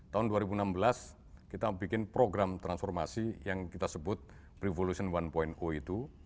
tahun dua ribu enam belas kita bikin program transformasi yang kita sebut revolution satu itu